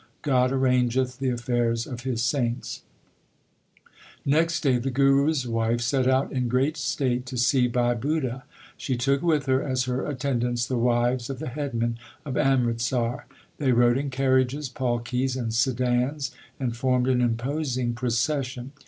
God arrangeth the affairs of His saints/ Next day the Guru s wife set out in great state to see Bhai Budha. She took with her as her atten dants the wives of the headmen of Amritsar. They rode in carriages, palkis, and sedans, and formed an imposing procession.